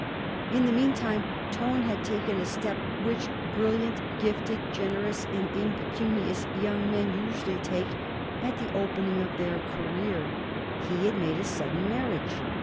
In the mean time Tone had taken a step which brilliant, gifted, generous, and impecunious young men usually take at the opening of their career he had made a sudden marriage.